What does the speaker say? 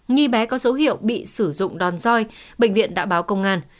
nhi bé có dấu hiệu bị sử dụng đòn roi bệnh viện đã báo công an